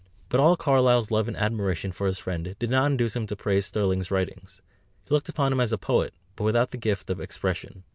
But all Carlyle's love and admiration for his friend did not induce him to praise Sterling's writings; he looked upon him as a poet, but without the gift of expression.